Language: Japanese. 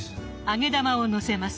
揚げ玉をのせます。